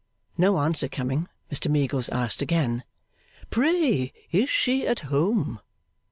No answer coming, Mr Meagles asked again. 'Pray is she at home?